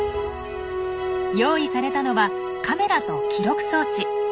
用意されたのはカメラと記録装置。